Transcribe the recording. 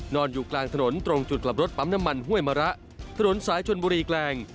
นอนอยู่กลางถนนตรงจุดกลับรถปั๊มน้ำมันห้วยมะระถนนสายชนบุรีแกลง